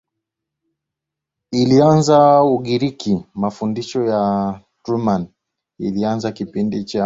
ilianza Ugiriki Mafundisho ya Truman ilianza kipindi cha